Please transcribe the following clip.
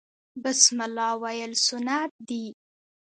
بسم الله ویل سنت دي